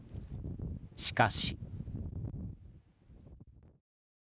しかし。